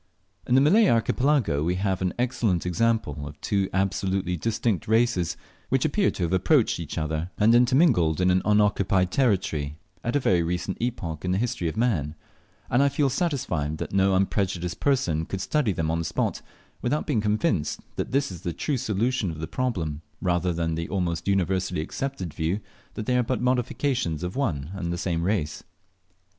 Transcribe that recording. In the Malay Archipelago we have an excellent example of two absolutely distinct races, which appear to have approached each other, and intermingled in an unoccupied territory at a very recent epoch in the history of man; and I feel satisfied that no unprejudiced person could study them on the spot without being convinced that this is the true solution of the problem, rather than the almost universally accepted view that they are but modifications of one and the same race.